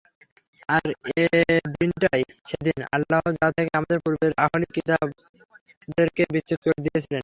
আর এদিনটিই সেদিন, আল্লাহ যা থেকে আমাদের পূর্বের আহলি কিতাবদেরকে বিচ্যুত করে দিয়েছিলেন।